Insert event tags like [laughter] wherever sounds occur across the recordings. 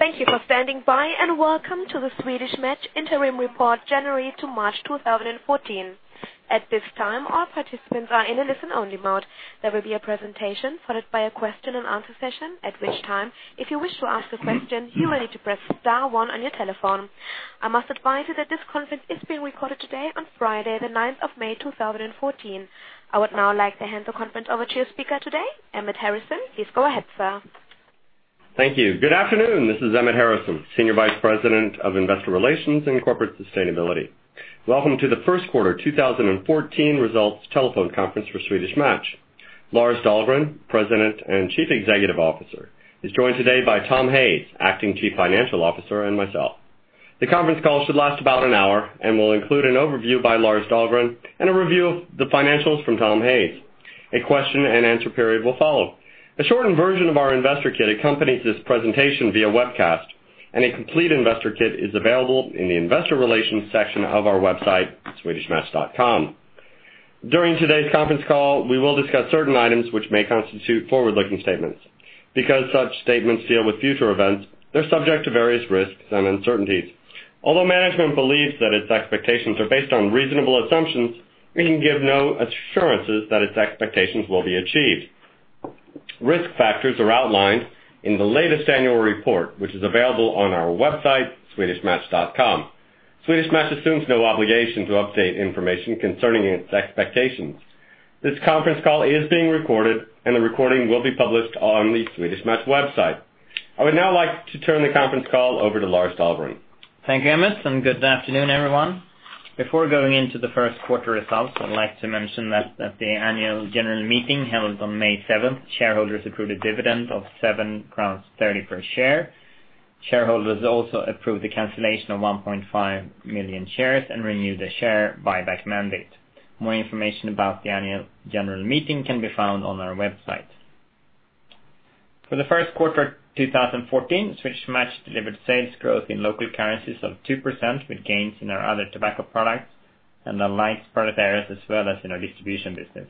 Thank you for standing by. Welcome to the Swedish Match Interim Report, January to March 2014. At this time, all participants are in a listen-only mode. There will be a presentation followed by a question and answer session, at which time, if you wish to ask a question, you will need to press star one on your telephone. I must advise you that this conference is being recorded today on Friday, the 9th of May 2014. I would now like to hand the conference over to your speaker today, Emmett Harrison. Please go ahead, sir. Thank you. Good afternoon. This is Emmett Harrison, Senior Vice President of Investor Relations and Corporate Sustainability. Welcome to the first quarter 2014 results telephone conference for Swedish Match. Lars Dahlgren, President and Chief Executive Officer, is joined today by Tom Hayes, Acting Chief Financial Officer, and myself. The conference call should last about an hour and will include an overview by Lars Dahlgren and a review of the financials from Tom Hayes. A question and answer period will follow. A shortened version of our investor kit accompanies this presentation via webcast. A complete investor kit is available in the investor relations section of our website, swedishmatch.com. During today's conference call, we will discuss certain items which may constitute forward-looking statements. Such statements deal with future events, they're subject to various risks and uncertainties. Although management believes that its expectations are based on reasonable assumptions, we can give no assurances that its expectations will be achieved. Risk factors are outlined in the latest annual report, which is available on our website, swedishmatch.com. Swedish Match assumes no obligation to update information concerning its expectations. This conference call is being recorded. The recording will be published on the Swedish Match website. I would now like to turn the conference call over to Lars Dahlgren. Thank you, Emmett. Good afternoon, everyone. Before going into the first quarter results, I'd like to mention that at the annual general meeting held on May 7th, shareholders approved a dividend of 7.30 crowns per share. Shareholders also approved the cancellation of 1.5 million shares and renewed the share buyback mandate. More information about the annual general meeting can be found on our website. For the first quarter 2014, Swedish Match delivered sales growth in local currencies of 2% with gains in our other tobacco products and the lights product areas as well as in our distribution business.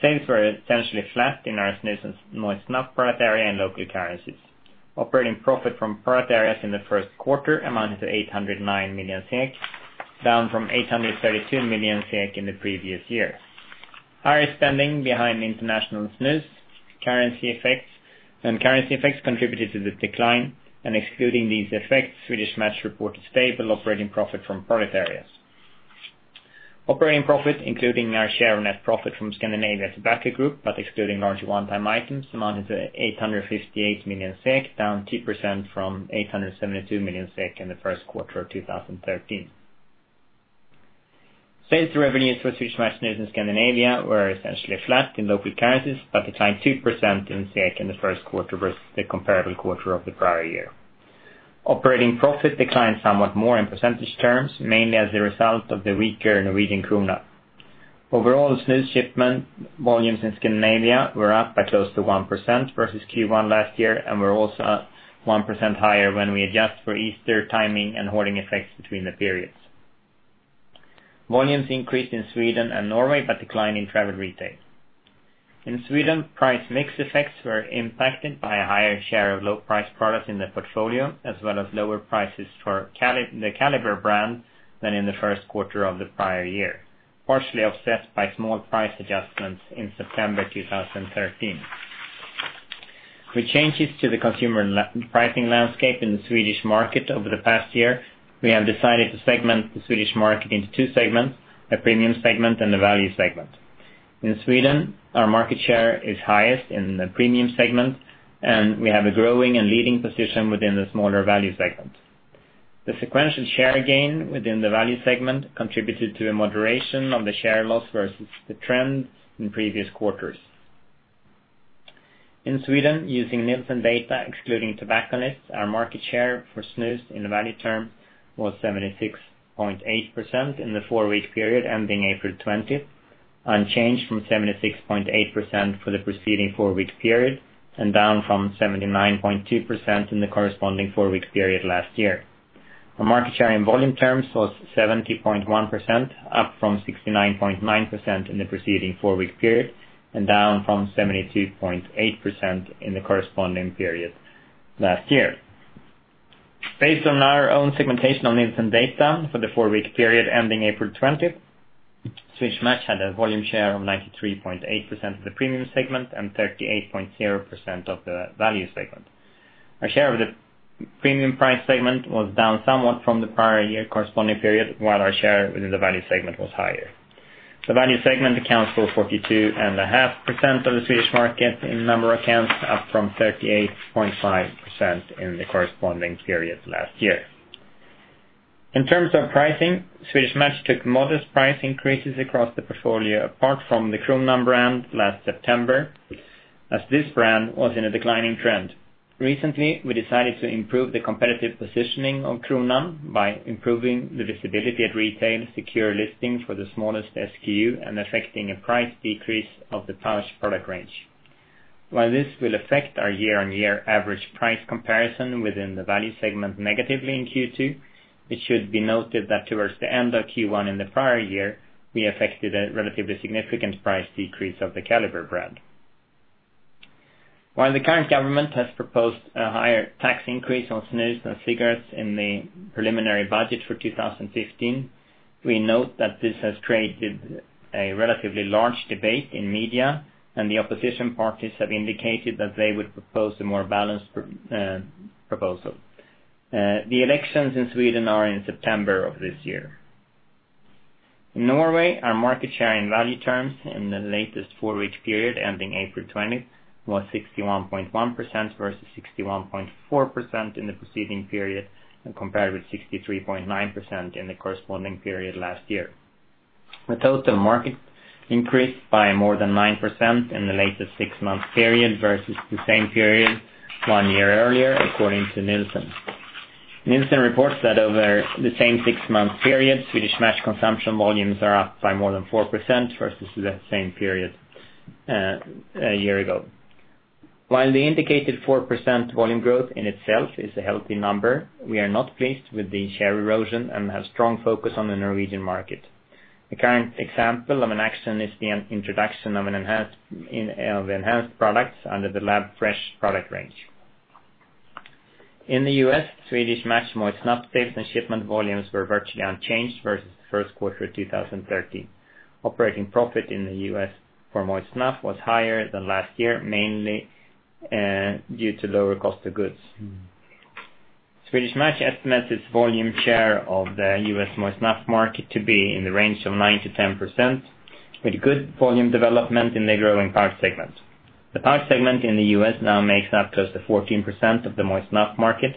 Sales were essentially flat in our snus and moist snuff product area in local currencies. Operating profit from product areas in the first quarter amounted to 809 million, down from 832 million in the previous year. Higher spending behind the international snus, currency effects and currency effects contributed to the decline. Excluding these effects, Swedish Match reported stable operating profit from product areas. Operating profit, including our share of net profit from Scandinavian Tobacco Group, but excluding large one-time items, amounted to 858 million SEK, down 2% from 872 million SEK in the first quarter of 2013. Sales revenues for Swedish Match snus in Scandinavia were essentially flat in local currencies, but declined 2% in SEK in the first quarter versus the comparable quarter of the prior year. Operating profit declined somewhat more in percentage terms, mainly as a result of the weaker Norwegian krone. Overall snus shipment volumes in Scandinavia were up by close to 1% versus Q1 last year and were also 1% higher when we adjust for Easter timing and hoarding effects between the periods. Volumes increased in Sweden and Norway, but declined in travel retail. In Sweden, price mix effects were impacted by a higher share of low price products in the portfolio, as well as lower prices for the Kaliber brand than in the first quarter of the prior year, partially offset by small price adjustments in September 2013. With changes to the consumer pricing landscape in the Swedish market over the past year, we have decided to segment the Swedish market into two segments, a premium segment and a value segment. In Sweden, our market share is highest in the premium segment, and we have a growing and leading position within the smaller value segment. The sequential share gain within the value segment contributed to a moderation of the share loss versus the trends in previous quarters. In Sweden, using Nielsen data, excluding tobacco lists, our market share for snus in the value term was 76.8% in the four-week period ending April 20th, unchanged from 76.8% for the preceding four-week period and down from 79.2% in the corresponding four-week period last year. Our market share in volume terms was 70.1%, up from 69.9% in the preceding four-week period and down from 72.8% in the corresponding period last year. Based on our own segmentation on Nielsen data for the four-week period ending April 20th, Swedish Match had a volume share of 93.8% of the premium segment and 38.0% of the value segment. Our share of the premium price segment was down somewhat from the prior year corresponding period, while our share within the value segment was higher. The value segment accounts for 42.5% of the Swedish market in number of cans, up from 38.5% in the corresponding period last year. In terms of pricing, Swedish Match took modest price increases across the portfolio apart from the Kronan brand last September, as this brand was in a declining trend. Recently, we decided to improve the competitive positioning of Kronan by improving the visibility at retail, secure listing for the smallest SKU, and effecting a price decrease of the pouch product range. While this will affect our year-on-year average price comparison within the value segment negatively in Q2, it should be noted that towards the end of Q1 in the prior year, we effected a relatively significant price decrease of the Kaliber brand. While the current government has proposed a higher tax increase on snus and cigarettes in the preliminary budget for 2015, we note that this has created a relatively large debate in media. The opposition parties have indicated that they would propose a more balanced proposal. The elections in Sweden are in September of this year. In Norway, our market share in value terms in the latest four-week period ending April 20th, was 61.1% versus 61.4% in the preceding period and compared with 63.9% in the corresponding period last year. The total market increased by more than 9% in the latest six-month period versus the same period one year earlier, according to Nielsen. Nielsen reports that over the same six-month period, Swedish Match consumption volumes are up by more than 4% versus the same period a year ago. While the indicated 4% volume growth in itself is a healthy number, we are not pleased with the share erosion and have strong focus on the Norwegian market. The current example of an action is the introduction of enhanced products under The Lab Fresh product range. In the U.S., Swedish Match moist snuff sales and shipment volumes were virtually unchanged versus the first quarter of 2013. Operating profit in the U.S. for moist snuff was higher than last year, mainly due to lower cost of goods. Swedish Match estimates its volume share of the U.S. moist snuff market to be in the range of 9%-10%, with good volume development in the growing power segment. The power segment in the U.S. now makes up close to 14% of the moist snuff market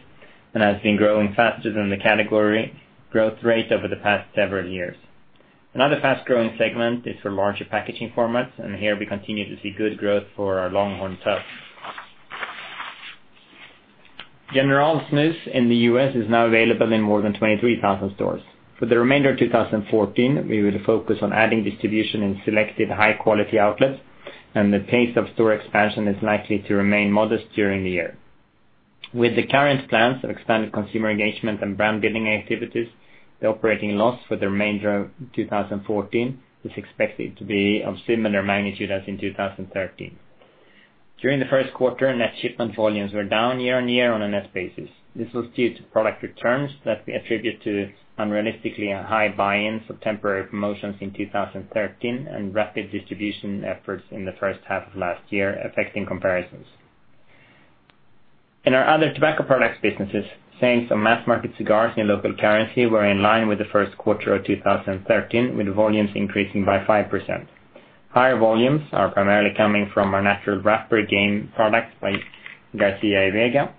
and has been growing faster than the category growth rate over the past several years. Another fast-growing segment is for larger packaging formats. Here we continue to see good growth for our Longhorn moist snuff. General Snus in the U.S. is now available in more than 23,000 stores. For the remainder of 2014, we will focus on adding distribution in selected high-quality outlets, and the pace of store expansion is likely to remain modest during the year. With the current plans of expanded consumer engagement and brand-building activities, the operating loss for the remainder of 2014 is expected to be of similar magnitude as in 2013. During the first quarter, net shipment volumes were down year-on-year on a net basis. This was due to product returns that we attribute to unrealistically high buy-ins of temporary promotions in 2013 and rapid distribution efforts in the first half of last year affecting comparisons. In our other tobacco products businesses, sales of mass-market cigars in local currency were in line with the first quarter of 2013, with volumes increasing by 5%. Higher volumes are primarily coming from our Natural Raspberry Game products by Garcia y Vega.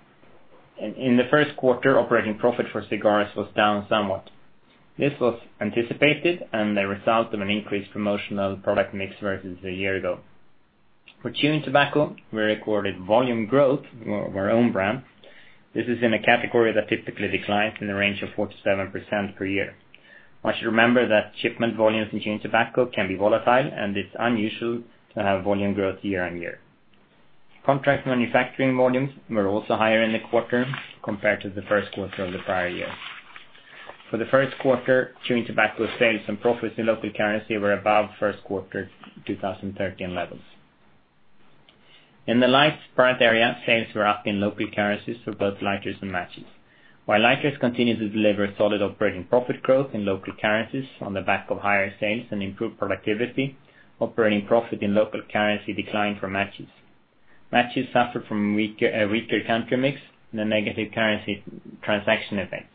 In the first quarter, operating profit for cigars was down somewhat. This was anticipated and the result of an increased promotional product mix versus a year ago. For chewing tobacco, we recorded volume growth of our own brand. This is in a category that typically declines in the range of 4% to 7% per year. One should remember that shipment volumes in chewing tobacco can be volatile, and it is unusual to have volume growth year-on-year. Contract manufacturing volumes were also higher in the quarter compared to the first quarter of the prior year. For the first quarter, chewing tobacco sales and profits in local currency were above first quarter 2013 levels. In the lights product area, sales were up in local currencies for both lighters and matches. While lighters continue to deliver solid operating profit growth in local currencies on the back of higher sales and improved productivity, operating profit in local currency declined for matches. Matches suffered from a weaker country mix and a negative currency transaction effect.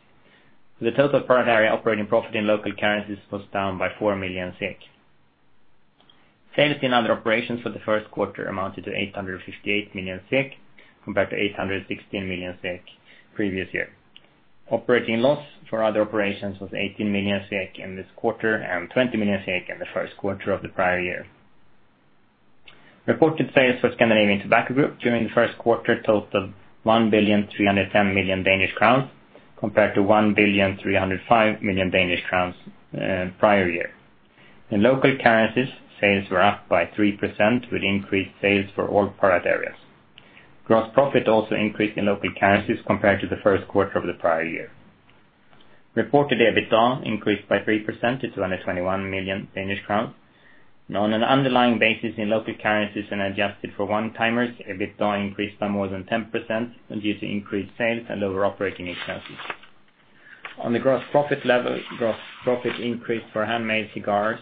The total product area operating profit in local currencies was down by 4 million SEK. Sales in other operations for the first quarter amounted to 858 million SEK, compared to 816 million SEK the previous year. Operating loss for other operations was 18 million SEK in this quarter and 20 million SEK in the first quarter of the prior year. Reported sales for Scandinavian Tobacco Group during the first quarter totaled 1,310,000,000 Danish crowns, compared to 1,305,000,000 the prior year. In local currencies, sales were up by 3% with increased sales for all product areas. Gross profit also increased in local currencies compared to the first quarter of the prior year. Reported EBITDA increased by 3% to 221 million Danish crowns. On an underlying basis in local currencies and adjusted for one-timers, EBITDA increased by more than 10% due to increased sales and lower operating expenses. On the gross profit level, gross profit increased for handmade cigars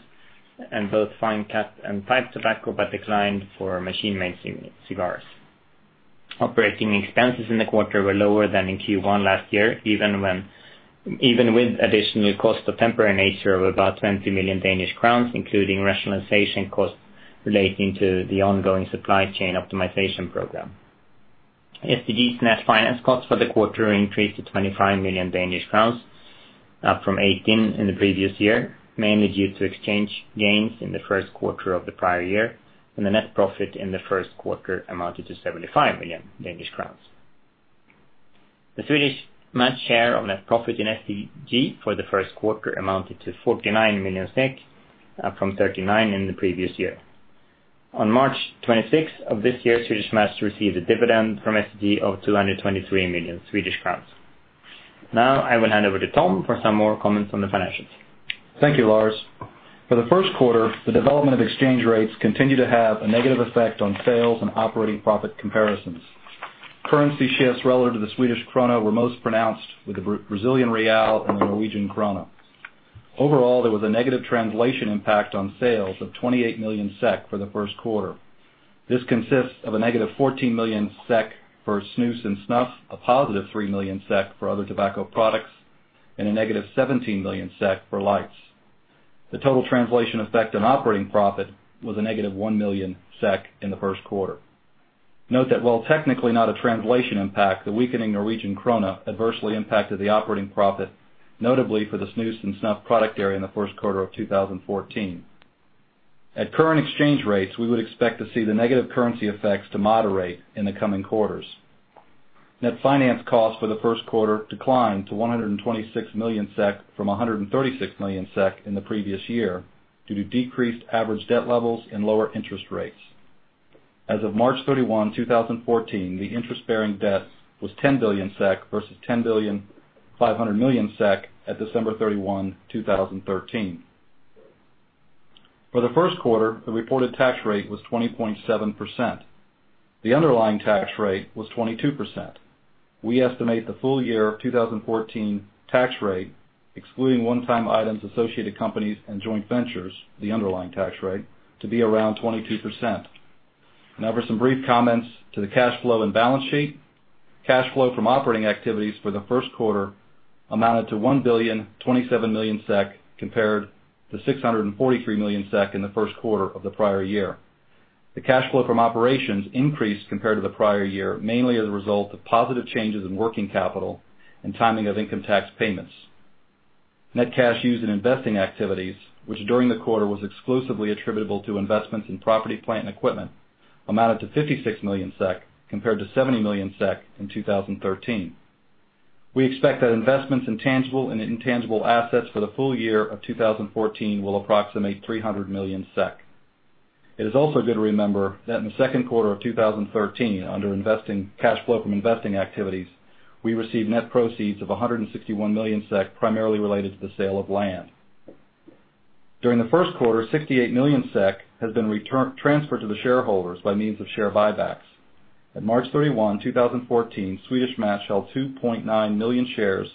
in both fine cut and pipe tobacco, but declined for machine-made cigars. Operating expenses in the quarter were lower than in Q1 last year, even with additional cost of temporary nature of about 20 million Danish crowns, including rationalization costs relating to the ongoing supply chain optimization program. STG's net finance costs for the quarter increased to 25 million Danish crowns, up from 18 million in the previous year, mainly due to exchange gains in the first quarter of the prior year, and the net profit in the first quarter amounted to 75 million Danish crowns. The Swedish Match share of net profit in STG for the first quarter amounted to 49 million SEK, up from 39 million in the previous year. On March 26th of this year, Swedish Match received a dividend from STG of 223 million Swedish crowns. I will hand over to Tom for some more comments on the financials. Thank you, Lars. For the first quarter, the development of exchange rates continued to have a negative effect on sales and operating profit comparisons. Currency shifts relative to the Swedish krona were most pronounced with the Brazilian real and the Norwegian krone. Overall, there was a negative translation impact on sales of 28 million SEK for the first quarter. This consists of a negative 14 million SEK for snus and snuff, a positive 3 million SEK for other tobacco products, and a negative 17 million SEK for lights. The total translation effect on operating profit was a negative 1 million SEK in the first quarter. Note that while technically not a translation impact, the weakening Norwegian krone adversely impacted the operating profit, notably for the snus and snuff product area in the first quarter of 2014. At current exchange rates, we would expect to see the negative currency effects to moderate in the coming quarters. Net finance costs for the first quarter declined to 126 million SEK from 136 million SEK in the previous year due to decreased average debt levels and lower interest rates. As of March 31, 2014, the interest-bearing debt was 10 billion SEK versus 10 billion 500 million at December 31, 2013. For the first quarter, the reported tax rate was 20.7%. The underlying tax rate was 22%. We estimate the full year 2014 tax rate, excluding one-time items, associated companies, and joint ventures, the underlying tax rate, to be around 22%. For some brief comments to the cash flow and balance sheet. Cash flow from operating activities for the first quarter amounted to 1 billion 27 million compared to 643 million SEK in the first quarter of the prior year. The cash flow from operations increased compared to the prior year, mainly as a result of positive changes in working capital and timing of income tax payments. Net cash used in investing activities, which during the quarter was exclusively attributable to investments in property, plant, and equipment, amounted to 56 million SEK compared to 70 million SEK in 2013. We expect that investments in tangible and intangible assets for the full year of 2014 will approximate 300 million SEK. It is also good to remember that in the second quarter of 2013, under cash flow from investing activities, we received net proceeds of 161 million SEK, primarily related to the sale of land. During the first quarter, 68 million SEK has been transferred to the shareholders by means of share buybacks. At March 31, 2014, Swedish Match held 2.9 million shares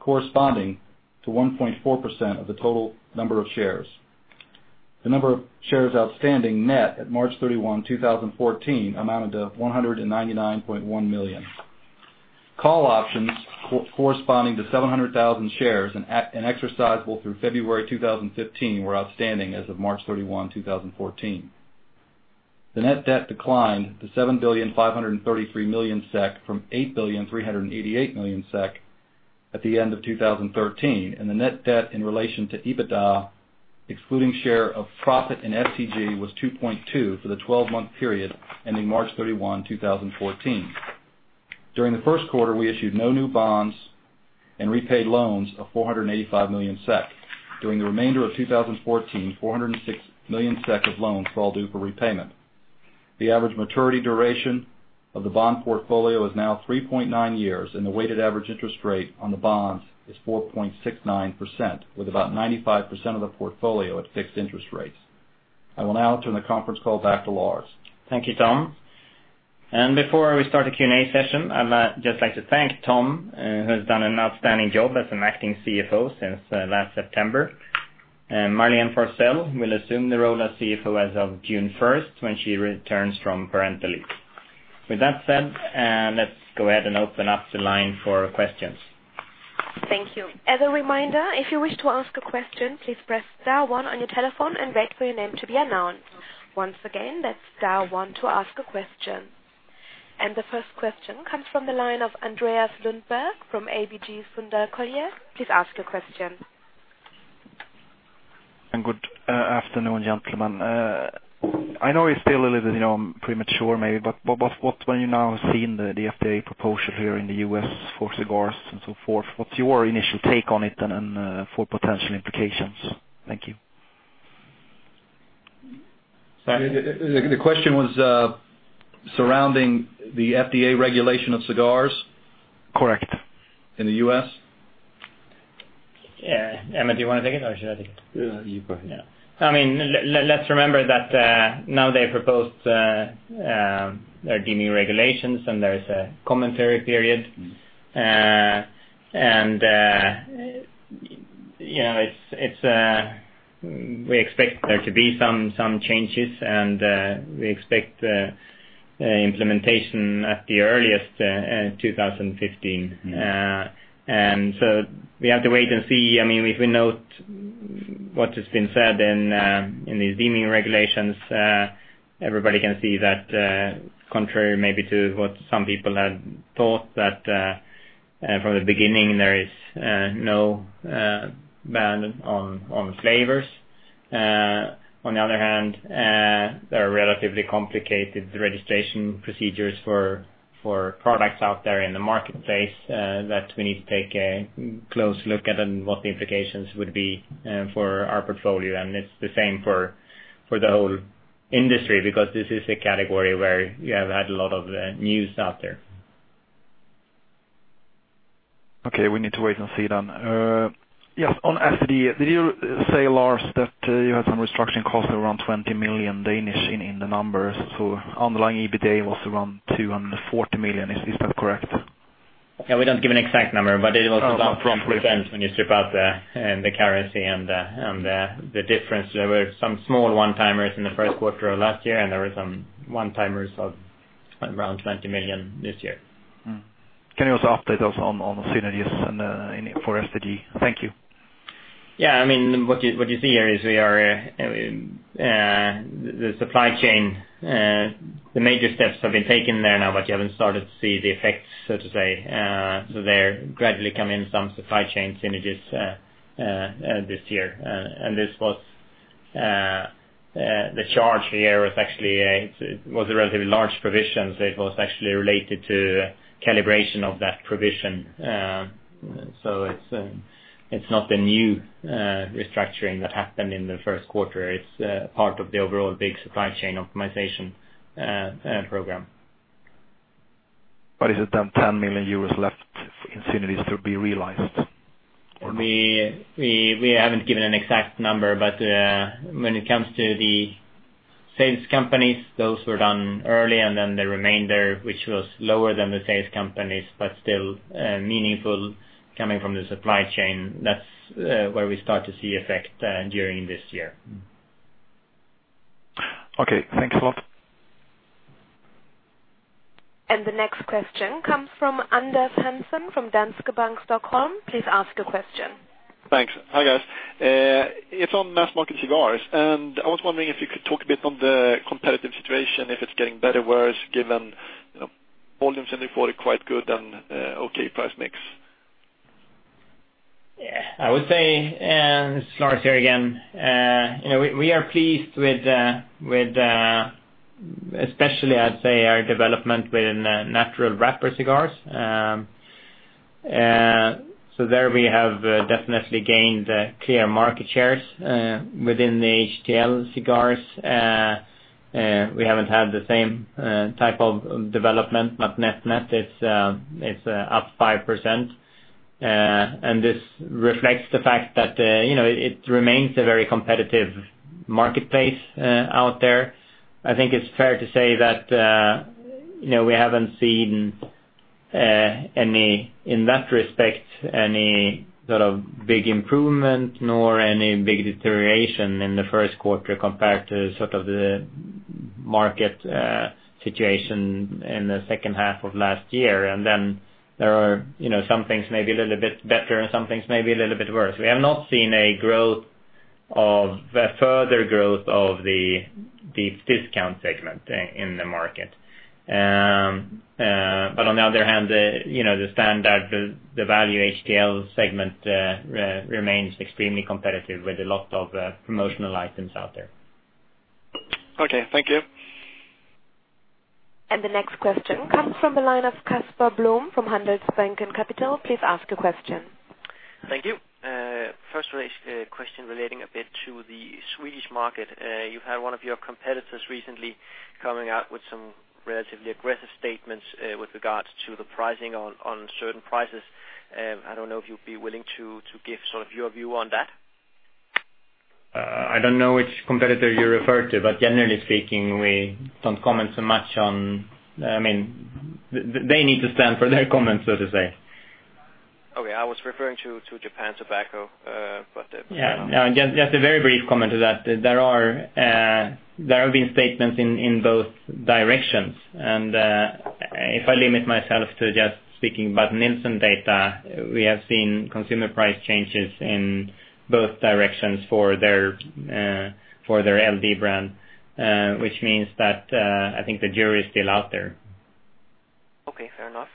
corresponding to 1.4% of the total number of shares. The number of shares outstanding net at March 31, 2014, amounted to 199.1 million. Call options corresponding to 700,000 shares and exercisable through February 2015 were outstanding as of March 31, 2014. The net debt declined to 7 billion 533 million from 8 billion 388 million at the end of 2013. The net debt in relation to EBITDA, excluding share of profit in STG, was 2.2 for the 12-month period ending March 31, 2014. During the first quarter, we issued no new bonds and repaid loans of 485 million SEK. During the remainder of 2014, 406 million SEK of loans were all due for repayment. The average maturity duration of the bond portfolio is now 3.9 years, and the weighted average interest rate on the bonds is 4.69%, with about 95% of the portfolio at fixed interest rates. I will now turn the conference call back to Lars. Thank you, Tom. Before we start the Q&A session, I'd just like to thank Tom, who has done an outstanding job as an acting CFO since last September. Marlene Forsell will assume the role as CFO as of June 1st, when she returns from parental leave. With that said, let's go ahead and open up the line for questions. Thank you. As a reminder, if you wish to ask a question, please press star one on your telephone and wait for your name to be announced. Once again, that's star one to ask a question. The first question comes from the line of Andreas Lundberg from ABG Sundal Collier. Please ask your question. Good afternoon, gentlemen. I know it's still a little bit premature maybe, but when you now have seen the FDA proposal here in the U.S. for cigars and so forth, what's your initial take on it and for potential implications? Thank you. The question was surrounding the FDA regulation of cigars? Correct. In the U.S.? Emmett, do you want to take it or should I take it? You go ahead. Yeah. Let's remember that now they proposed their Deeming Rule, there is a commentary period. We expect there to be some changes, we expect implementation at the earliest, 2015. We have to wait and see. If we note what has been said in this Deeming Rule, everybody can see that contrary maybe to what some people had thought, that from the beginning, there is no ban on flavors. On the other hand, there are relatively complicated registration procedures for products out there in the marketplace that we need to take a close look at and what the implications would be for our portfolio. It's the same for the whole industry, because this is a category where you have had a lot of news out there. Okay. We need to wait and see then. Yes. On STG, did you say, Lars, that you had some restructuring costs around 20 million in the numbers? Underlying EBITDA was around 240 million. Is that correct? Yeah. We don't give an exact number, but it was around [crosstalk] when you strip out the currency and the difference. There were some small one-timers in the first quarter of last year. There were some one-timers of around 20 million this year. Can you also update us on synergies and for FTD? Thank you. Yeah. What you see here is the supply chain. The major steps have been taken there now, but you haven't started to see the effects, so to say. They're gradually coming in some supply chain synergies this year. The charge here was a relatively large provision. It was actually related to calibration of that provision. It's not a new restructuring that happened in the first quarter. It's part of the overall big supply chain optimization program. Is it then SEK 10 million left in synergies to be realized, or no? We haven't given an exact number. When it comes to the sales companies, those were done early and then the remainder, which was lower than the sales companies, but still meaningful coming from the supply chain. That's where we start to see effect during this year. Okay. Thanks a lot. The next question comes from Anders Hansen from Danske Bank Stockholm. Please ask your question. Thanks. Hi, guys. It's on mass-market cigars. I was wondering if you could talk a bit on the competitive situation, if it's getting better or worse, given volumes in Q4 are quite good and okay price mix. Yeah. I would say, this is Lars here again. We are pleased with, especially I'd say our development within natural wrapper cigars. There we have definitely gained clear market shares. Within the HTL cigars, we haven't had the same type of development, but net is up 5%. This reflects the fact that it remains a very competitive marketplace out there. I think it's fair to say that we haven't seen, in that respect, any sort of big improvement nor any big deterioration in the first quarter compared to sort of the market situation in the second half of last year. Then there are some things maybe a little bit better and some things maybe a little bit worse. We have not seen a further growth of the discount segment in the market. On the other hand, the standard, the value HTL segment, remains extremely competitive with a lot of promotional items out there. Okay. Thank you. The next question comes from the line of Casper Blom from Handelsbanken Capital. Please ask your question. Thank you. First question relating a bit to the Swedish market. You've had one of your competitors recently coming out with some relatively aggressive statements with regards to the pricing on certain prices. I don't know if you'd be willing to give sort of your view on that. I don't know which competitor you refer to. Generally speaking, we don't comment. They need to stand for their comments, so to say. Okay. I was referring to Japan Tobacco. Yeah. Just a very brief comment to that. There have been statements in both directions, and if I limit myself to just speaking about Nielsen data, we have seen consumer price changes in both directions for their LD brand, which means that I think the jury is still out there. Okay, fair enough.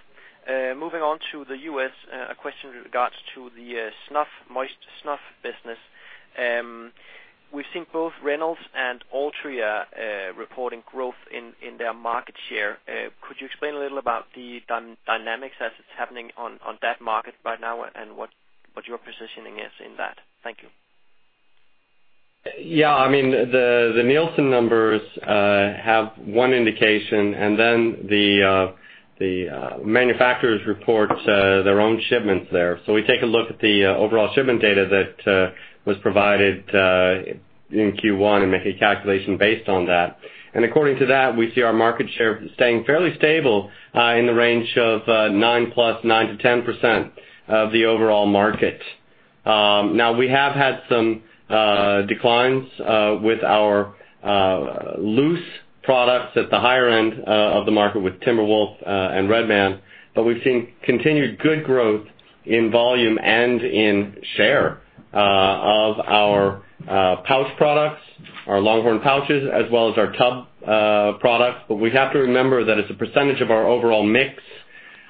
Moving on to the U.S., a question with regards to the moist snuff business. We've seen both Reynolds and Altria reporting growth in their market share. Could you explain a little about the dynamics as it's happening on that market right now and what your positioning is in that? Thank you. Yeah. The Nielsen numbers have one indication, and then the manufacturers report their own shipments there. We take a look at the overall shipment data that was provided in Q1 and make a calculation based on that. According to that, we see our market share staying fairly stable in the range of nine plus, 9%-10% of the overall market. We have had some declines with our loose products at the higher end of the market with Timber Wolf and Red Man, but we've seen continued good growth in volume and in share of our pouch products, our Longhorn pouches, as well as our tub products. We have to remember that it's a percentage of our overall mix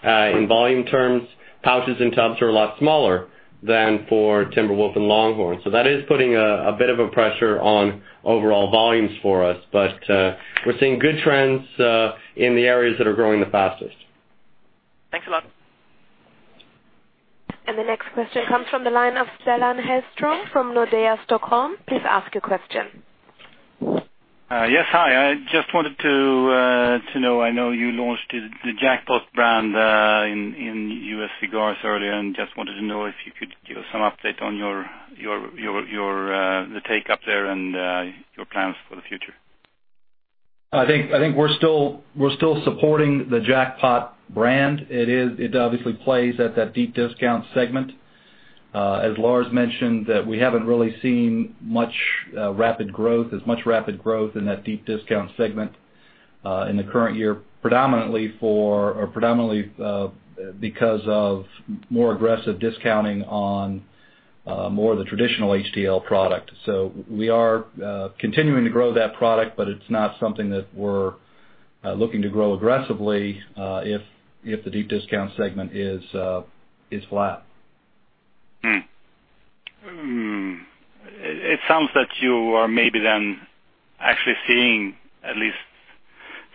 in volume terms. Pouches and tubs are a lot smaller than for Timber Wolf and Longhorn. That is putting a bit of a pressure on overall volumes for us. We're seeing good trends in the areas that are growing the fastest. Thanks a lot. The next question comes from the line of Stellan Hellström from Nordea Stockholm. Please ask your question. Yes. Hi. I just wanted to know, I know you launched the Jackpot brand in U.S. cigars earlier, and just wanted to know if you could give some update on the take up there and your plans for the future. I think we're still supporting the Jackpot brand. It obviously plays at that deep discount segment. As Lars mentioned, that we haven't really seen as much rapid growth in that deep discount segment, in the current year, predominantly because of more aggressive discounting on more of the traditional HTL product. We are continuing to grow that product, but it's not something that we're looking to grow aggressively, if the deep discount segment is flat. It sounds that you are maybe then actually seeing at least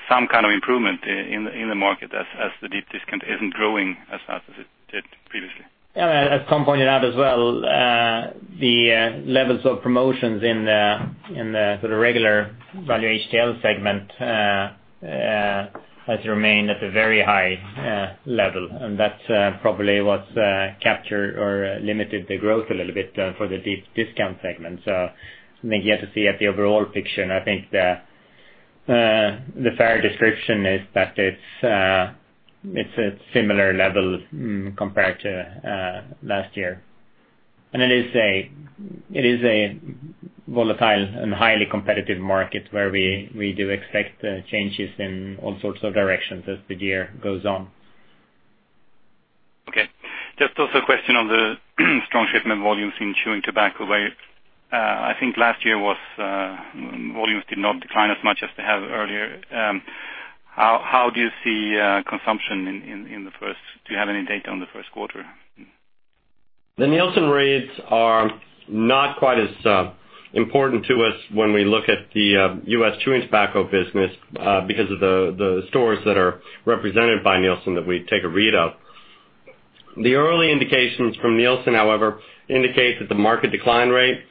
some kind of improvement in the market as the deep discount isn't growing as fast as it did previously. Yeah, as Tom pointed out as well, the levels of promotions in the sort of regular value HTL segment, has remained at a very high level, and that's probably what's captured or limited the growth a little bit for the deep discount segment. I think you have to see at the overall picture, and I think the fair description is that it's a similar level compared to last year. It is a volatile and highly competitive market where we do expect changes in all sorts of directions as the year goes on. Okay. Just also a question on the strong shipment volumes in chewing tobacco where, I think last year volumes did not decline as much as they have earlier. How do you see consumption, do you have any data on the first quarter? The Nielsen reads are not quite as important to us when we look at the U.S. chewing tobacco business, because of the stores that are represented by Nielsen that we take a read of. The early indications from Nielsen, however, indicate that the market decline rate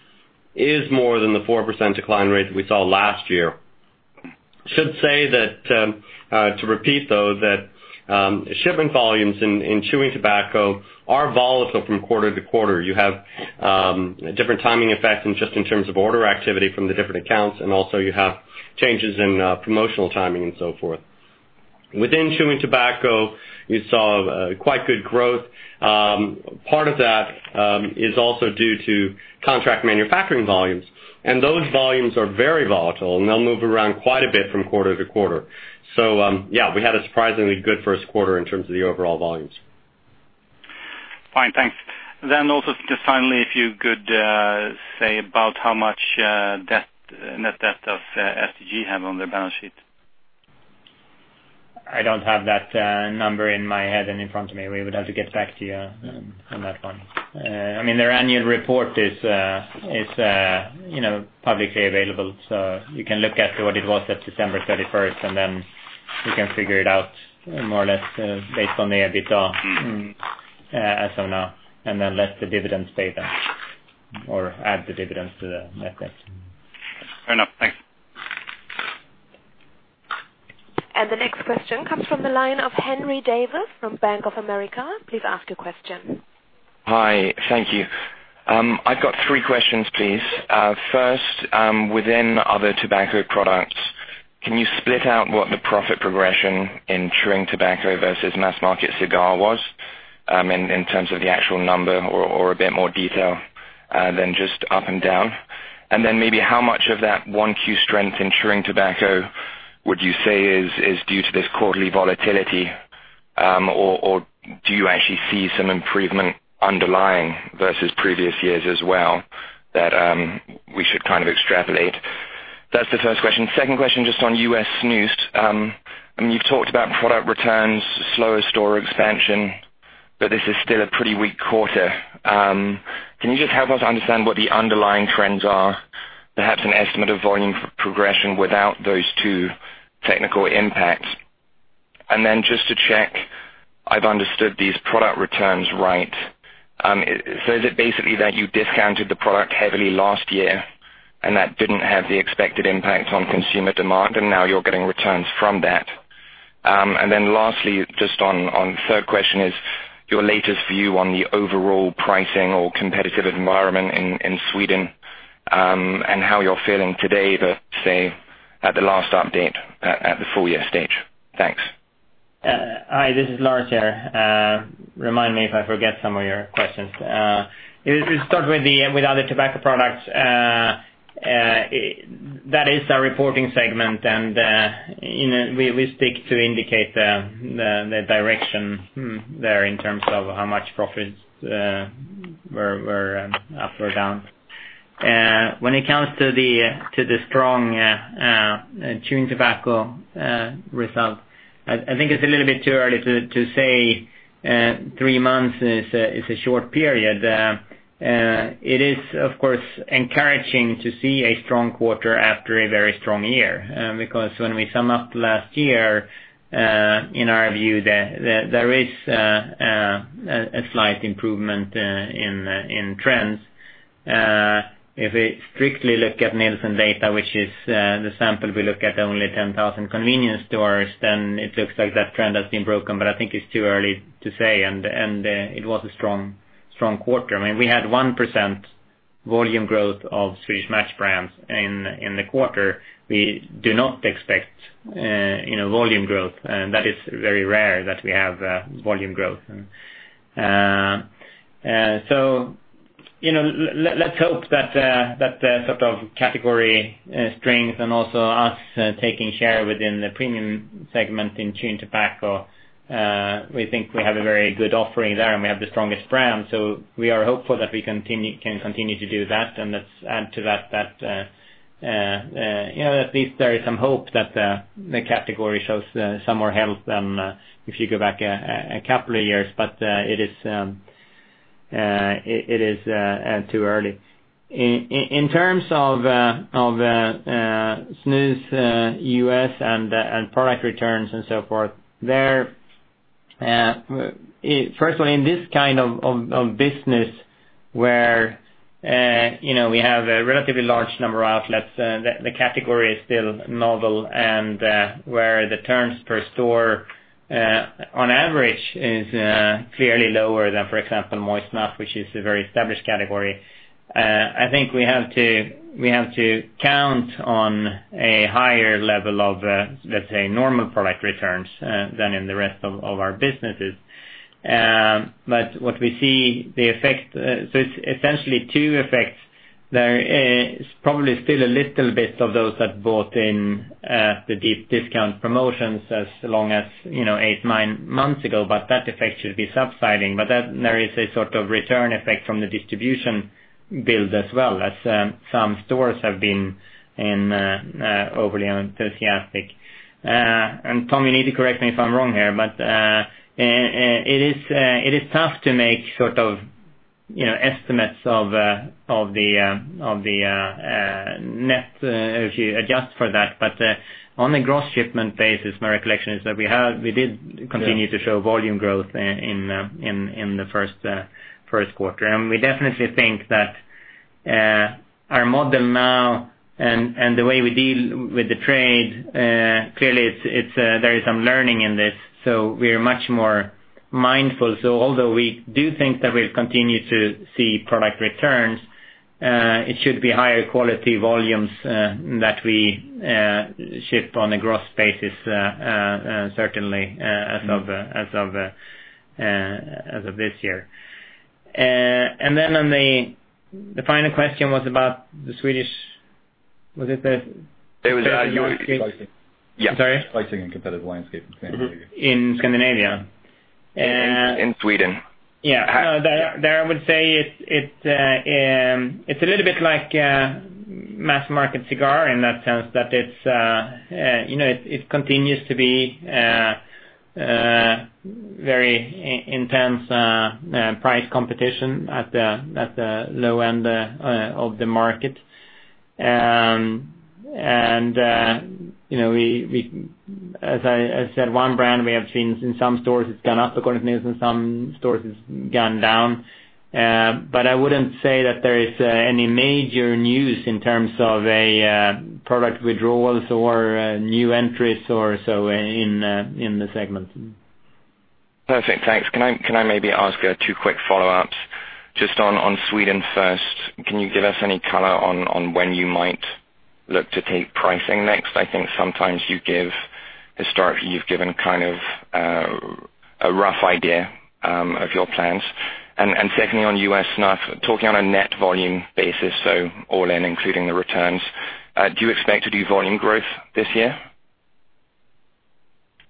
is more than the 4% decline rate that we saw last year. Should say that, to repeat, though, that shipment volumes in chewing tobacco are volatile from quarter to quarter. You have different timing effects in just in terms of order activity from the different accounts, you have changes in promotional timing and so forth. Within chewing tobacco, we saw quite good growth. Part of that is also due to contract manufacturing volumes, and those volumes are very volatile, and they'll move around quite a bit from quarter to quarter. Yeah, we had a surprisingly good first quarter in terms of the overall volumes. Fine. Thanks. Also, just finally, if you could say about how much net debt of STG have on their balance sheet. I don't have that number in my head and in front of me. We would have to get back to you on that one. Their annual report is publicly available, so you can look at what it was at December 31st, and then you can figure it out more or less based on the EBITDA as of now, and then less the dividends paid then or add the dividends to the net debt. Fair enough. Thanks. The next question comes from the line of Henry Davis from Bank of America. Please ask your question. Hi. Thank you. I've got three questions, please. First, within other tobacco products, can you split out what the profit progression in chewing tobacco versus mass market cigar was? In terms of the actual number or a bit more detail than just up and down. Then maybe how much of that one Q strength in chewing tobacco would you say is due to this quarterly volatility, or do you actually see some improvement underlying versus previous years as well that we should kind of extrapolate? That's the first question. Second question, just on U.S. snus. You've talked about product returns, slower store expansion, but this is still a pretty weak quarter. Can you just help us understand what the underlying trends are, perhaps an estimate of volume progression without those two technical impacts? Then just to check I've understood these product returns right. Is it basically that you discounted the product heavily last year and that didn't have the expected impact on consumer demand, and now you're getting returns from that? Lastly, just on third question is your latest view on the overall pricing or competitive environment in Sweden, and how you're feeling today versus at the last update at the full year stage. Thanks. Hi, this is Lars here. Remind me if I forget some of your questions. We'll start with the other tobacco products. That is our reporting segment, and we stick to indicate the direction there in terms of how much profits were up or down. When it comes to the strong chewing tobacco result, I think it's a little bit too early to say. Three months is a short period. It is, of course, encouraging to see a strong quarter after a very strong year. Because when we sum up last year, in our view there is a slight improvement in trends. If we strictly look at Nielsen data, which is the sample, we look at only 10,000 convenience stores, then it looks like that trend has been broken, but I think it's too early to say, and it was a strong quarter. We had 1% volume growth of Swedish Match brands in the quarter. We do not expect volume growth. That is very rare that we have volume growth. Let's hope that sort of category strength and also us taking share within the premium segment in chewing tobacco. We think we have a very good offering there, and we have the strongest brand. We are hopeful that we can continue to do that, and let's add to that, at least there is some hope that the category shows some more health than if you go back a couple of years. It is too early. In terms of snus U.S. and product returns and so forth, firstly, in this kind of business where we have a relatively large number of outlets, the category is still novel, and where the turns per store on average is clearly lower than, for example, moist snuff, which is a very established category. I think we have to count on a higher level of, let's say, normal product returns than in the rest of our businesses. What we see, there's essentially two effects. There is probably still a little bit of those that bought in the deep discount promotions as long as eight, nine months ago, that effect should be subsiding. There is a sort of return effect from the distribution build as well, as some stores have been overly enthusiastic. Tom, you need to correct me if I'm wrong here, but it is tough to make sort of estimates of the net if you adjust for that. On a gross shipment basis, my recollection is that we did continue to show volume growth in the first quarter. We definitely think that our model now and the way we deal with the trade, clearly there is some learning in this, so we are much more mindful. Although we do think that we'll continue to see product returns, it should be higher quality volumes that we ship on a gross basis certainly as of this year. On the final question was about the Swedish. Was it the- It was- I'm sorry? Pricing and competitive landscape in Scandinavia. In Scandinavia. In Sweden. Yeah. No, there I would say it's a little bit like mass market cigar in that sense that it continues to be very intense price competition at the low end of the market. As I said, one brand we have seen in some stores, it's gone up according to Nielsen, some stores it's gone down. I wouldn't say that there is any major news in terms of a product withdrawals or new entries or so in the segment. Perfect. Thanks. Can I maybe ask two quick follow-ups? Just on Sweden first, can you give us any color on when you might look to take pricing next? I think sometimes historically, you've given a rough idea of your plans. Secondly, on U.S. snuff, talking on a net volume basis, so all in including the returns, do you expect to do volume growth this year?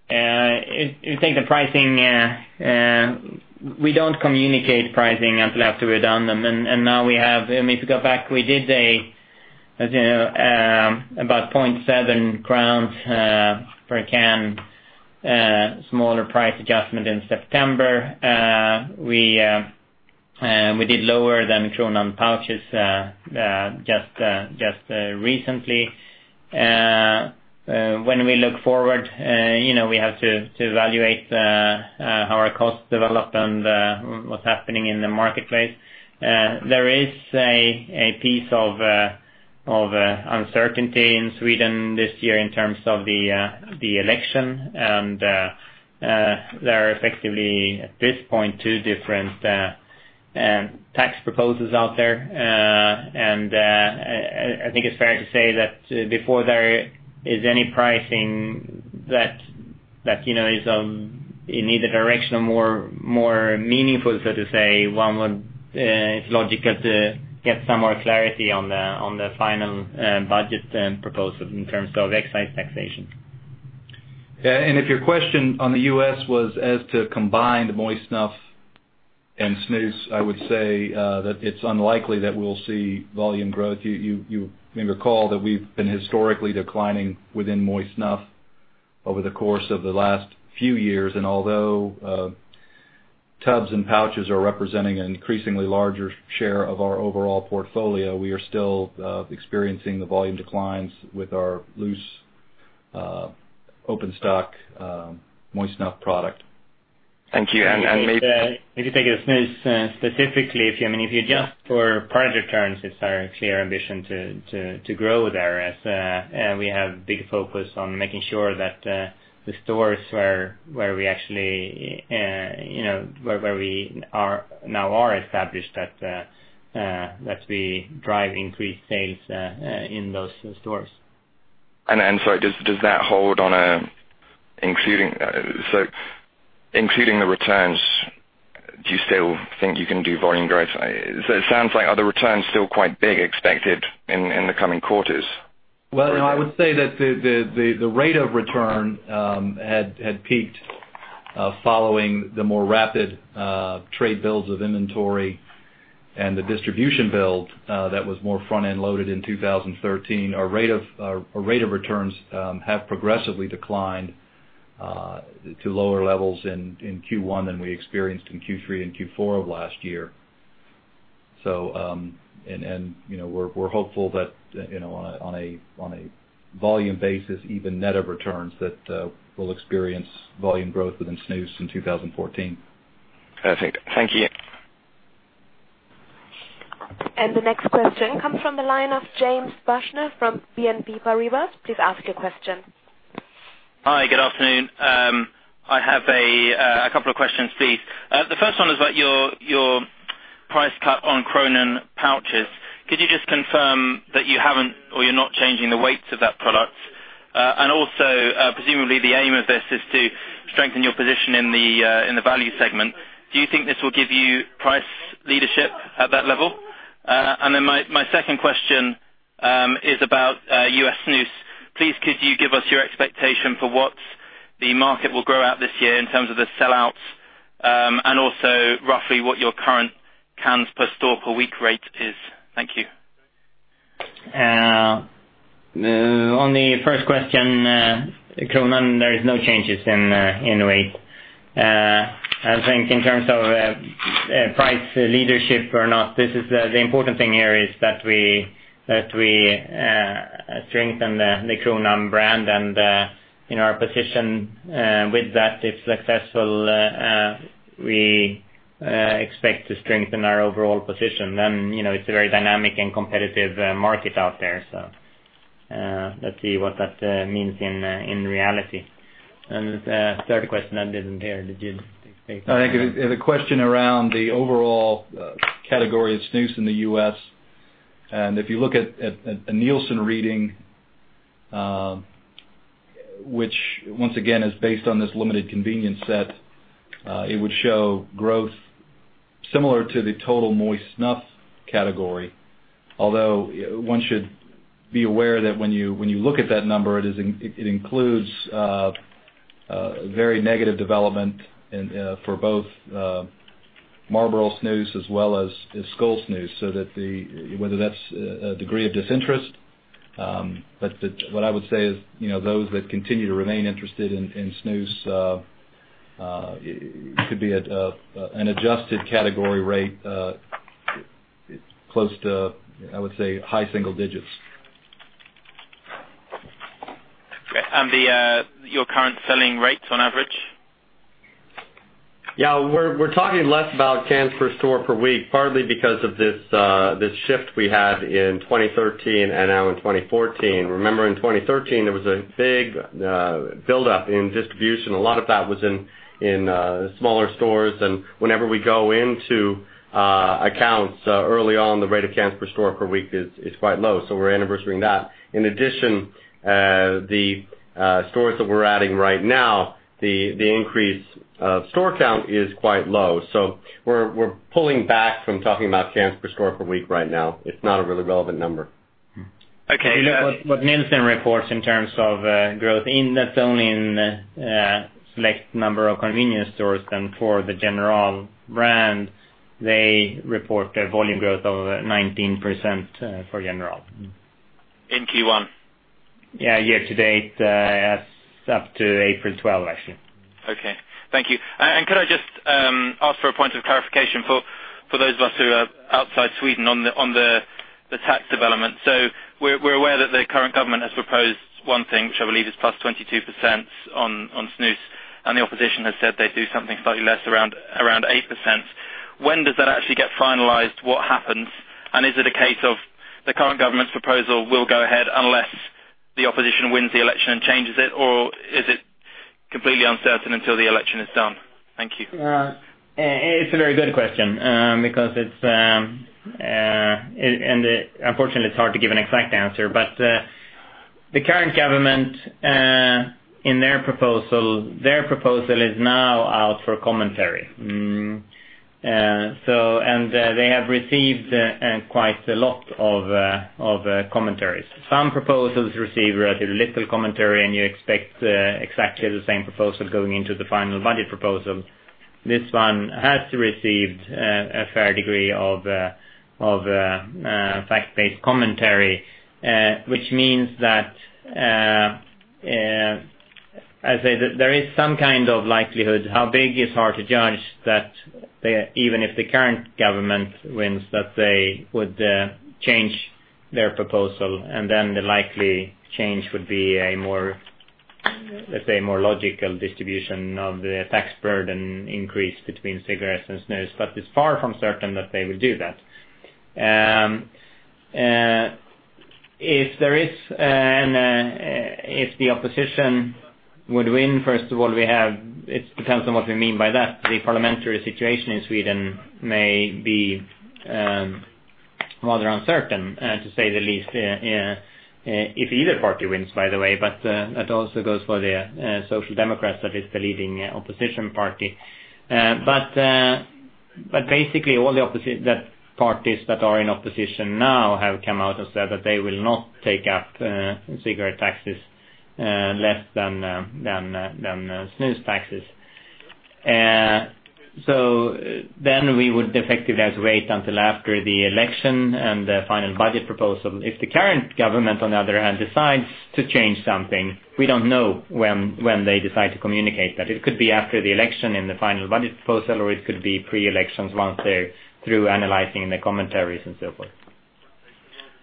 I think the pricing, we don't communicate pricing until after we've done them. Now we have, if you go back, we did about 0.7 crowns per can, smaller price adjustment in September. We did lower than Kronan pouches just recently. When we look forward, we have to evaluate how our costs develop and what's happening in the marketplace. There is a piece of uncertainty in Sweden this year in terms of the election, and there are effectively, at this point, two different tax proposals out there. I think it's fair to say that before there is any pricing that is in either direction or more meaningful, so to say. It's logical to get some more clarity on the final budget proposal in terms of excise taxation. Yeah, if your question on the U.S. was as to combined moist snuff and snus, I would say that it's unlikely that we'll see volume growth. You may recall that we've been historically declining within moist snuff over the course of the last few years, and although tubs and pouches are representing an increasingly larger share of our overall portfolio, we are still experiencing the volume declines with our loose open stock moist snuff product. Thank you. If you take the snus specifically, if you adjust for product returns, it's our clear ambition to grow there as we have big focus on making sure that the stores where we now are established, that we drive increased sales in those stores. Sorry, does that hold on including the returns, do you still think you can do volume growth? It sounds like, are the returns still quite big expected in the coming quarters? Well, I would say that the rate of return had peaked following the more rapid trade builds of inventory and the distribution build that was more front-end loaded in 2013. Our rate of returns have progressively declined to lower levels in Q1 than we experienced in Q3 and Q4 of last year. We're hopeful that on a volume basis, even net of returns, that we'll experience volume growth within snus in 2014. Perfect. Thank you. The next question comes from the line of James Bushnell from BNP Paribas. Please ask your question. Hi, good afternoon. I have a couple of questions, please. The first one is about your price cut on Kronan pouches. Could you just confirm that you haven't, or you're not changing the weights of that product? Presumably the aim of this is to strengthen your position in the value segment. Do you think this will give you price leadership at that level? My second question is about US snus. Please, could you give us your expectation for what the market will grow at this year in terms of the sell-outs? Also roughly what your current cans per store per week rate is. Thank you. On the first question, Kronan, there is no changes in weight. I think in terms of price leadership or not, the important thing here is that we strengthen the Kronan brand and our position with that is successful. We expect to strengthen our overall position. It's a very dynamic and competitive market out there. Let's see what that means in reality. The third question I didn't hear. I think the question around the overall category of snus in the U.S., if you look at a Nielsen reading, which once again is based on this limited convenience set, it would show growth similar to the total moist snuff category. Although, one should be aware that when you look at that number, it includes a very negative development for both Marlboro Snus as well as Skoal Snus. Whether that's a degree of disinterest, what I would say is, those that continue to remain interested in snus, it could be at an adjusted category rate close to, I would say, high single digits. Great. Your current selling rates on average? Yeah, we're talking less about cans per store per week, partly because of this shift we had in 2013 and now in 2014. Remember in 2013, there was a big buildup in distribution. A lot of that was in smaller stores. Whenever we go into accounts early on, the rate of cans per store per week is quite low. We're anniversarying that. In addition, the stores that we're adding right now, the increase of store count is quite low. We're pulling back from talking about cans per store per week right now. It's not a really relevant number. Okay. What Nielsen reports in terms of growth, that's only in select number of convenience stores. For the General brand, they report a volume growth of 19% for General. In Q1? Yeah, year to date, up to April 12, actually. Okay. Thank you. Could I just ask for a point of clarification for those of us who are outside Sweden on the tax development. We're aware that the current government has proposed one thing, which I believe is +22% on snus, and the opposition has said they'd do something slightly less around 8%. When does that actually get finalized? What happens? Is it a case of the current government's proposal will go ahead unless the opposition wins the election and changes it, or is it completely uncertain until the election is done? Thank you. It's a very good question, and unfortunately, it's hard to give an exact answer. The current government, in their proposal, their proposal is now out for commentary. They have received quite a lot of commentaries. Some proposals receive relatively little commentary, and you expect exactly the same proposal going into the final budget proposal. This one has received a fair degree of fact-based commentary, which means that there is some kind of likelihood, how big is hard to judge, that even if the current government wins, that they would change their proposal, and then the likely change would be, let's say, a more logical distribution of the tax burden increase between cigarettes and snus. It's far from certain that they would do that. If the opposition would win, first of all, it depends on what we mean by that. The parliamentary situation in Sweden may be rather uncertain, to say the least, if either party wins, by the way, but that also goes for the Social Democrats, that is the leading opposition party. Basically, all the parties that are in opposition now have come out and said that they will not take up cigarette taxes less than snus taxes. Then we would effectively have to wait until after the election and the final budget proposal. If the current government, on the other hand, decides to change something, we don't know when they decide to communicate that. It could be after the election in the final budget proposal, or it could be pre-elections once they're through analyzing the commentaries and so forth.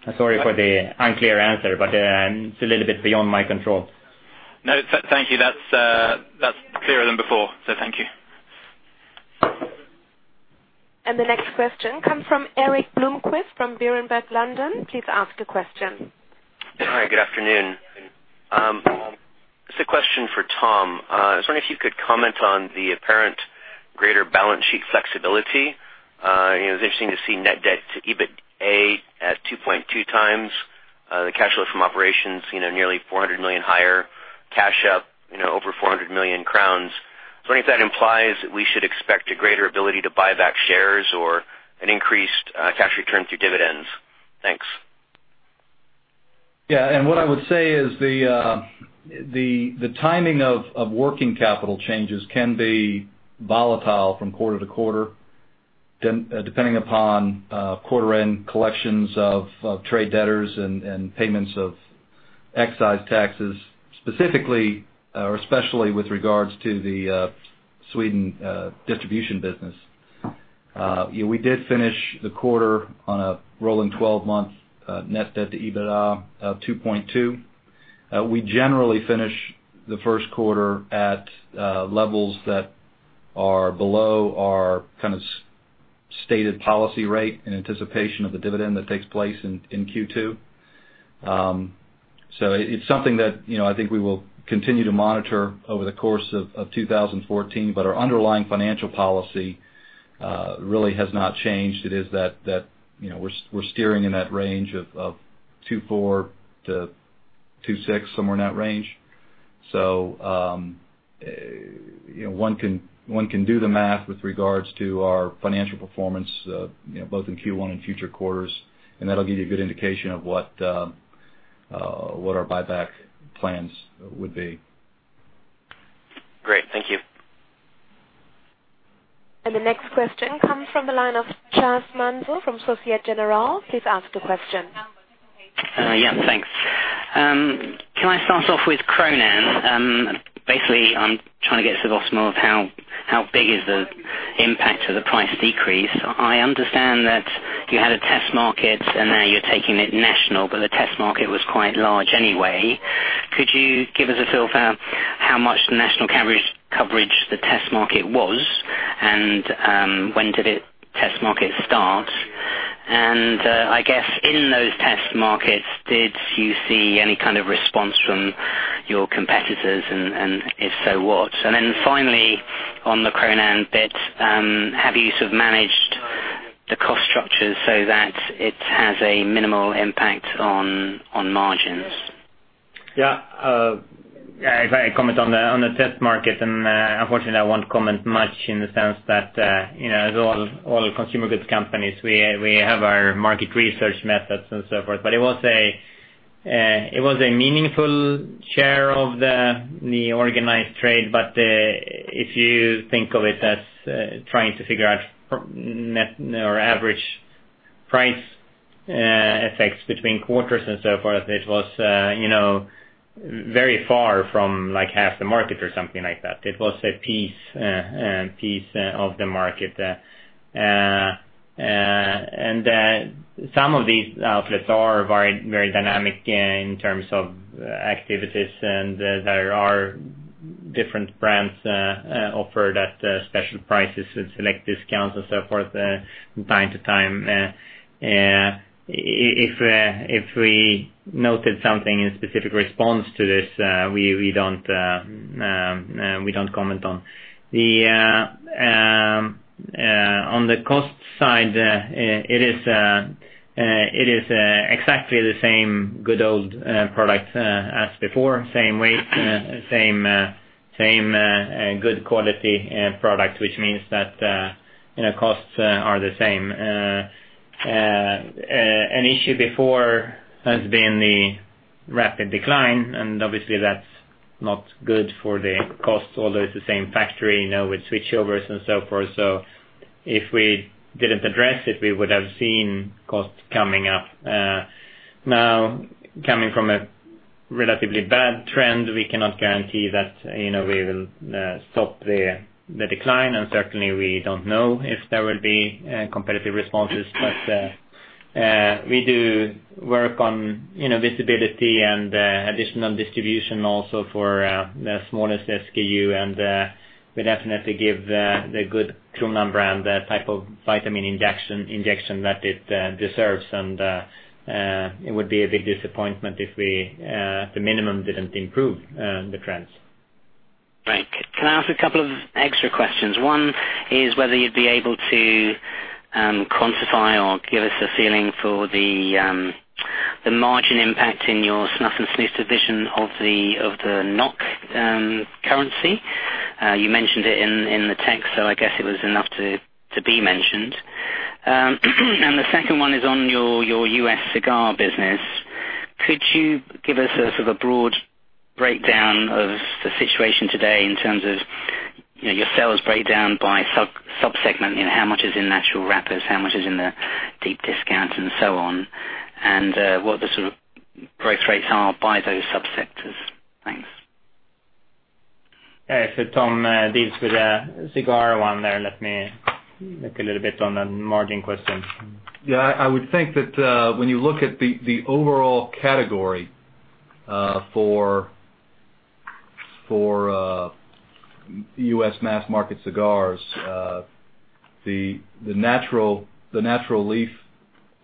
I'm sorry for the unclear answer, but it's a little bit beyond my control. No, thank you. That's clearer than before. Thank you. The next question comes from Erik Bloomquist from Berenberg, London. Please ask the question. Hi, good afternoon. This is a question for Tom. I was wondering if you could comment on the apparent greater balance sheet flexibility. It was interesting to see net debt to EBITDA at 2.2x. The cash flow from operations, nearly 400 million higher. Cash up, over 400 million crowns. I wonder if that implies that we should expect a greater ability to buy back shares or an increased cash return through dividends. Thanks. What I would say is the timing of working capital changes can be volatile from quarter to quarter, depending upon quarter-end collections of trade debtors and payments of excise taxes, specifically, or especially with regards to the Sweden distribution business. We did finish the quarter on a rolling 12-month net debt to EBITDA of 2.2. We generally finish the first quarter at levels that are below our kind of stated policy rate in anticipation of the dividend that takes place in Q2. It's something that I think we will continue to monitor over the course of 2014, but our underlying financial policy really has not changed. It is that we're steering in that range of 2.4-2.6, somewhere in that range. One can do the math with regards to our financial performance both in Q1 and future quarters, and that'll give you a good indication of what our buyback plans would be. Great. Thank you. The next question comes from the line of Charles Manso from Société Générale. Please ask the question. Yeah, thanks. Can I start off with Kronan? Basically, I'm trying to get to the bottom of how big is the impact of the price decrease. I understand that you had a test market and now you're taking it national, but the test market was quite large anyway. Could you give us a feel for how much the national coverage the test market was, and when did the test market start? I guess in those test markets, did you see any kind of response from your competitors, and if so, what? Finally, on the Kronan bit, have you sort of managed the cost structure so that it has a minimal impact on margins? Yeah. If I comment on the test market, unfortunately I won't comment much in the sense that as all consumer goods companies, we have our market research methods and so forth. It was a meaningful share of the organized trade. If you think of it as trying to figure out net or average price effects between quarters and so forth, it was very far from half the market or something like that. It was a piece of the market. Some of these outlets are very dynamic in terms of activities, and there are different brands offered at special prices with select discounts and so forth from time to time. If we noted something in specific response to this, we don't comment on. On the cost side, it is exactly the same good old product as before. Same weight, same good quality product, which means that costs are the same. An issue before has been the rapid decline, obviously that's not good for the costs, although it's the same factory with switchovers and so forth. If we didn't address it, we would have seen costs coming up. Now, coming from a relatively bad trend. We cannot guarantee that we will stop the decline, certainly we don't know if there will be competitive responses. We do work on visibility and additional distribution also for the smallest SKU, we definitely give the good Kronan brand the type of vitamin injection that it deserves. It would be a big disappointment if the minimum didn't improve the trends. Right. Can I ask a couple of extra questions? One is whether you'd be able to quantify or give us a feeling for the margin impact in your snuff and snus division of the NOK currency. You mentioned it in the text, I guess it was enough to be mentioned. The second one is on your U.S. cigar business. Could you give us a sort of a broad breakdown of the situation today in terms of your sales breakdown by sub-segment? How much is in natural wrappers, how much is in the deep discount, and so on? What the sort of growth rates are by those sub-sectors. Thanks. Tom deals with the cigar one there. Let me look a little bit on the margin question. I would think that when you look at the overall category for U.S. mass market cigars, the natural leaf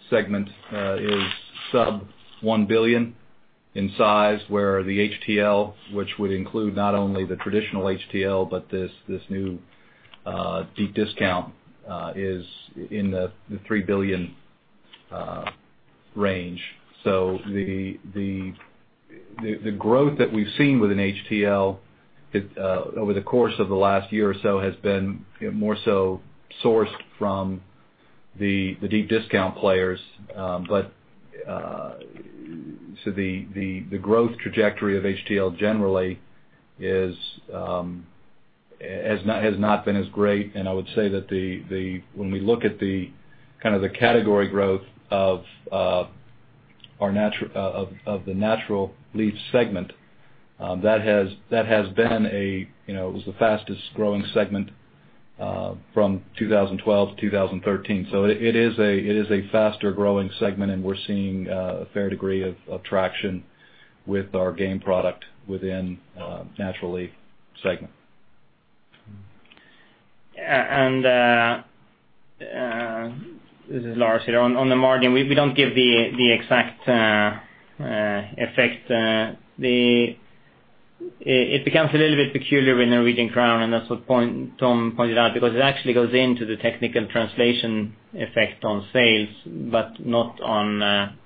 segment is sub $1 billion in size, where the HTL, which would include not only the traditional HTL but this new deep discount, is in the $3 billion range. The growth that we've seen within HTL over the course of the last year or so has been more so sourced from the deep discount players. The growth trajectory of HTL generally has not been as great. I would say that when we look at the category growth of the natural leaf segment, that has been the fastest-growing segment from 2012 to 2013. It is a faster-growing segment, and we're seeing a fair degree of traction with our Game product within the natural leaf segment. This is Lars here. On the margin, we don't give the exact effect. It becomes a little bit peculiar with the Norwegian krone, and that's what Tom pointed out, because it actually goes into the technical translation effect on sales, but not on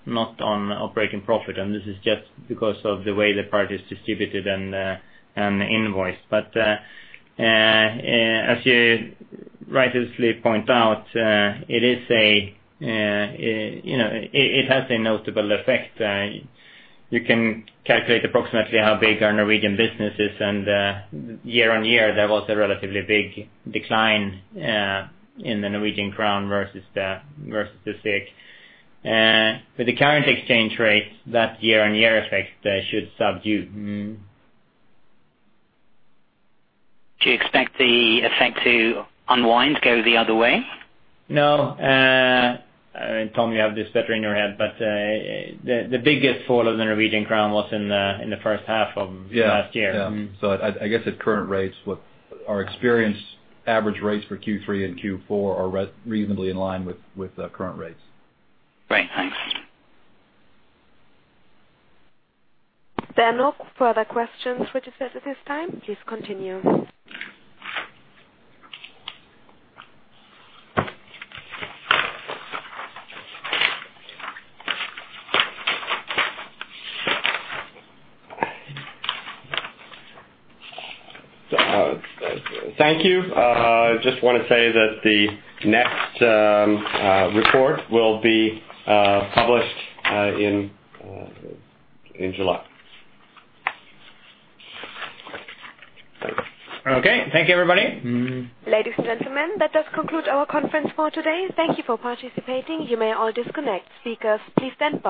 operating profit. This is just because of the way the product is distributed and invoiced. As you righteously point out, it has a notable effect. You can calculate approximately how big our Norwegian business is, and year-on-year, there was a relatively big decline in the Norwegian krone versus the SEK. With the current exchange rate, that year-on-year effect should subdue. Do you expect the effect to unwind, go the other way? No. Tom, you have this better in your head, but the biggest fall of the Norwegian krone was in the first half of last year. I guess at current rates, our experienced average rates for Q3 and Q4 are reasonably in line with current rates. Great. Thanks. There are no further questions for the speakers at this time. Please continue. Thank you. Just want to say that the next report will be published in July. Okay. Thank you, everybody. Ladies and gentlemen, that does conclude our conference call today. Thank you for participating. You may all disconnect. Speakers, please stand by.